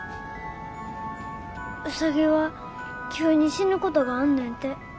ウサギは急に死ぬことがあんねんて。